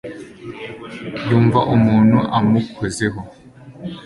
yumva umuntu amukozeho